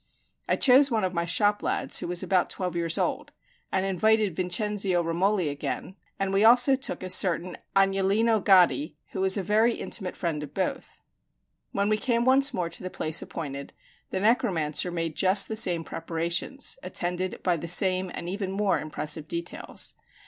I chose one of my shop lads, who was about twelve years old, and invited Vincenzio Romoli again; and we also took a certain Agnolino Gaddi, who was a very intimate friend of both. When we came once more to the place appointed, the necromancer made just the same preparations, attended by the same and even more impressive details.